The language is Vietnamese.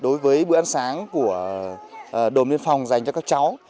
đối với bữa ăn sáng của đồn biên phòng dành cho các cháu